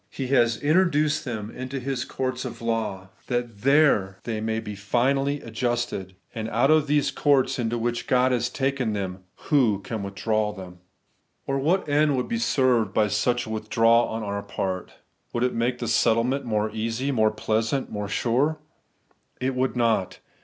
He has introduced them into His courts of law^ that God! 8 Answer to Man's Question, 9 there they may be finally adjusted ; and out of these courts into which God has taken them who can withdraw them ? Or what end would be served by such a withdrawal on our part ? Would it make the settlement more easy, more pleasant, more sure? It would not.